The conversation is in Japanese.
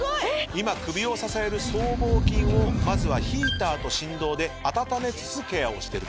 今首を支える僧帽筋をまずはヒーターと振動で温めつつケアをしてると。